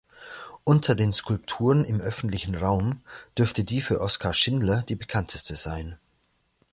Unter den Skulpturen im öffentlichen Raum dürfte die für Oskar Schindler die bekannteste sein.